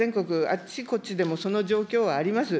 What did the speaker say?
あっちこっちでもその状況はあります。